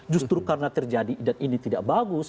justru karena terjadi dan ini tidak bagus